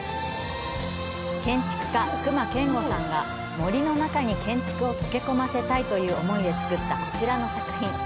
建築家・隈研吾さんが森の中に建築を溶け込ませたいという想いで造ったこちらの作品。